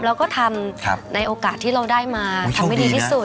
แล้วก็ทำในโอกาสที่เราได้มาทำให้ดีที่สุด